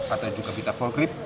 atau juga bisa foregrip